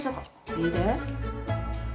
いいで。